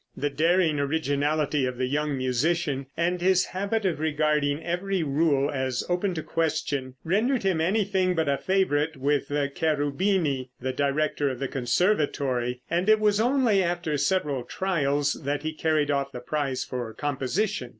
The daring originality of the young musician, and his habit of regarding every rule as open to question, rendered him anything but a favorite with Cherubini, the director of the Conservatory, and it was only after several trials that he carried off the prize for composition.